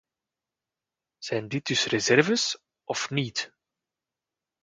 Zijn dit dus reserves of niet?